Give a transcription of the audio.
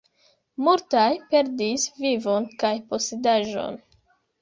Multaj perdis vivon kaj posedaĵon.